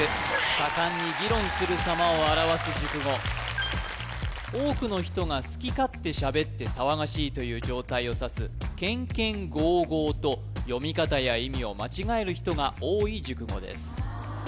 盛んに議論するさまを表す熟語多くの人が好き勝手しゃべって騒がしいという状態をさす喧喧囂囂と読み方や意味を間違える人が多い熟語です